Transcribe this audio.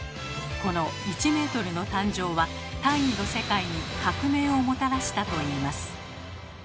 この１ｍの誕生は単位の世界に革命をもたらしたといいます。